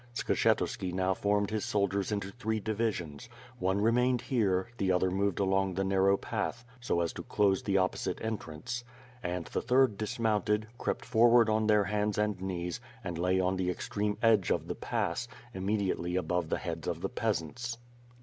Skshetuski now formed his soldiers into three divisions. One remained here, the other moved along the narrow path so as to close the opposite en trance, and the third dismounted, crept forward on their hands and knees and lay on the extreme edge of the pass, immediately above the heads of the peasants.